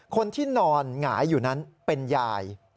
คนที่นอนหงายอยู่นั้นเป็นยาย